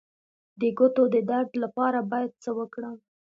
د ګوتو د درد لپاره باید څه وکړم؟